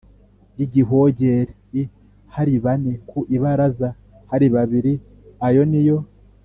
y igihogere l hari bane ku ibaraza hari babiri Ayo ni yo